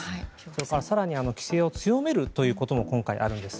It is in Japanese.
それから更に規制を強めるということも今回あるんです。